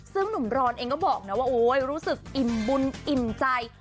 ซึ่งหนุ่มรอนเองก็บอกนะว่าโอ๊ยรู้สึกอิ่มบุญอิ่มใจ